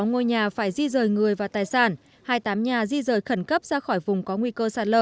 sáu ngôi nhà phải di rời người và tài sản hai mươi tám nhà di rời khẩn cấp ra khỏi vùng có nguy cơ sạt lở